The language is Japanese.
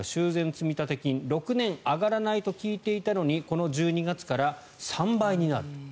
積立金６年上がらないと聞いていたのにこの１２月から３倍になる。